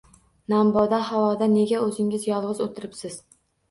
— Namboda havoda nega o’zingiz yolg’iz o’tiribsiz?